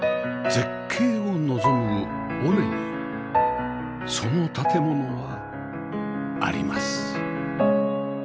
絶景を望む尾根にその建物はあります